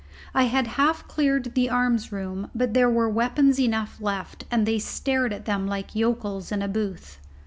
I had half cleared the arms room, but there were weapons enough left, and they stared at them like yokels in a booth.